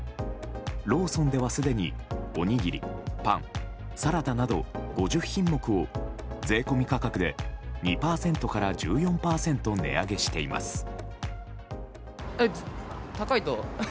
ローソンでは、すでにおにぎり、パン、サラダなど５０品目を税込み価格で２％から１４％値上げしています。